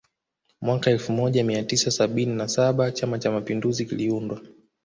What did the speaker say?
Mwaka elfu moja mia tisa sabini na saba Chama Cha Mapinduzi kiliundwa